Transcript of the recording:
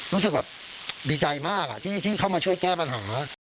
รู้สึกแบบดีใจมากที่เข้ามาช่วยแก้ปัญหา